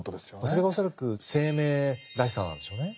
それが恐らく生命らしさなんでしょうね。